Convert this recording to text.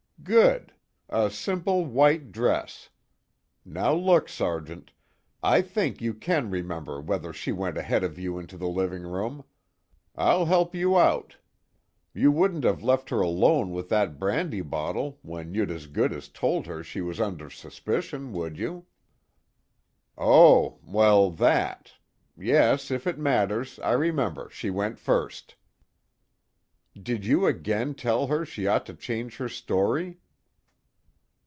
"Good. A simple white dress. Now look, Sergeant, I think you can remember whether she went ahead of you into the living room. I'll help you out you wouldn't have left her alone with that brandy bottle when you'd as good as told her she was under suspicion, would you?" "Oh well, that. Yes, if it matters, I remember she went first." "Did you again tell her she ought to change her story?"